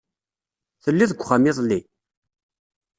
Telliḍ deg uxxam iḍelli?